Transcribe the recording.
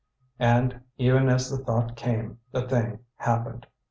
And even as the thought came, the thing happened.